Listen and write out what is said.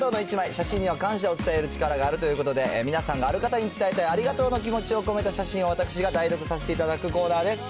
写真には感謝を伝える力があるということで、皆さんのある方に伝えたいありがとうの気持ちを込めた写真を私が代読させていただくコーナーです。